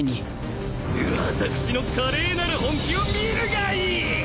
私の華麗なる本気を見るがいい！